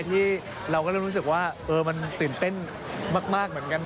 ที่เราก็เริ่มรู้สึกว่ามันตื่นเต้นมากเหมือนกัน